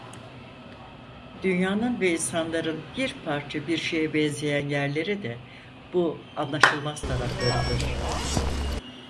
Dünyanın ve insanların bir parça bir şeye benzeyen yerleri de bu anlaşılmaz taraflarıdır.